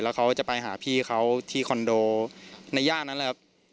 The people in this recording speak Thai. แล้วเขาจะไปหาพี่เขาที่คอนโดในย่านนั้นแหละครับ